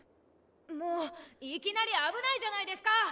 もういきなり危ないじゃないですか。